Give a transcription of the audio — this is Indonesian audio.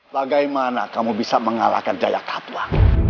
bagaimana kamu bisa mengalahkan jaya katwa